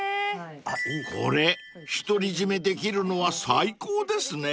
［これ独り占めできるのは最高ですね］